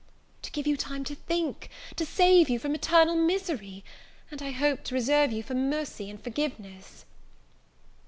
"To give you time to think, to save you from eternal misery; and, I hope, to reserve you for mercy and forgiveness."